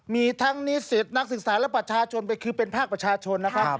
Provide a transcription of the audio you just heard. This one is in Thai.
มีทั้งนิสิตนักศึกษาและประชาชนไปคือเป็นภาคประชาชนนะครับ